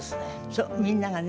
そうみんながね。